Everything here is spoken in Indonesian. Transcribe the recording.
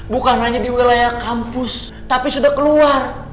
bukan hanya di wilayah kampus tapi sudah keluar